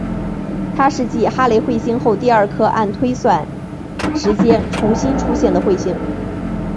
它是继哈雷彗星后第二颗按推算时间重新出现的彗星。